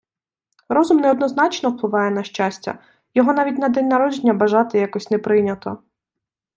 Розум неоднозначно впливає на щастя, його навіть на день народження бажати якось не прийнято.